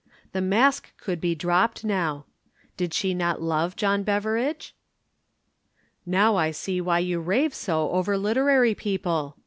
The mask could be dropped now. Did she not love John Beveridge? "Now I see why you rave so over literary people!"